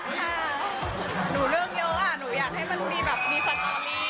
หนูเลือกเยอะอ่ะหนูอยากให้มันมีแบบมีฟันตอลลี่อ่ะ